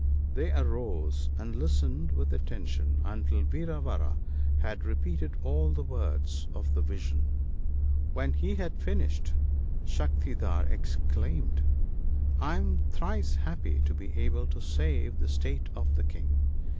They arose, and listened with attention until Vira vara had repeated all the words of the vision. AVhen he had finished, Shaktidhar exclaimed, ' I am thrice happy to be able to save the state of the King.